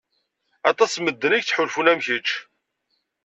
Aṭas n medden i yettḥulfun am kečč.